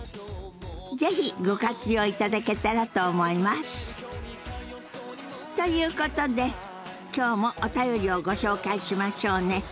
是非ご活用いただけたらと思います！ということで今日もお便りをご紹介しましょうね。